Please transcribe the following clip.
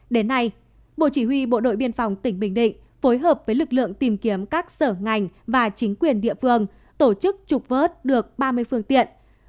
đến nay bộ chỉ huy bộ đội biên phòng tỉnh bình định phối hợp với lực lượng tìm kiếm các sở ngành và chính quyền địa phương tổ chức trục vớt được ba mươi phương tiện